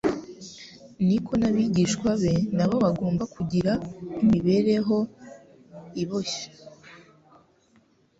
niko n'abigishwa be na bo bagomba kugira imibereho iboncye.